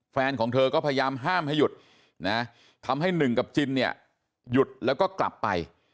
แฟนของเธอก็พยายามห้ามให้หยุดนะทำให้หนึ่งกับจินเนี่ยหยุดแล้วก็กลับไป